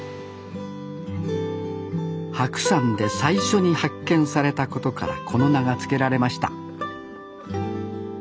白山で最初に発見されたことからこの名が付けられました